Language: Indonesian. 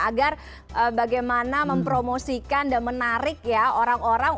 agar bagaimana mempromosikan dan menarik ya orang orang